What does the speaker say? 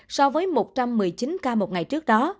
so với một trăm một mươi chín ca một ngày trước đó